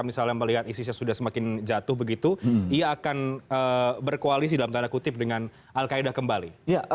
misalnya melihat isisnya sudah semakin jatuh begitu ia akan berkoalisi dalam tanda kutip dengan al qaeda kembali